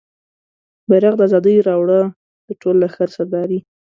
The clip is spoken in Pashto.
بیرغ د ازادۍ راوړه د ټول لښکر سردارې